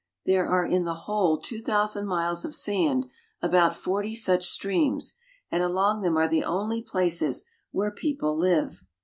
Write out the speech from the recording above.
There are in the whole two thousand miles of sand about forty such streams, and along them are the only places where people live.